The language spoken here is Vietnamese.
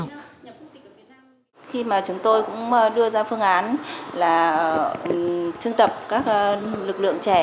khi mà chúng tôi cũng đưa ra phương án là chương tập các lực lượng trẻ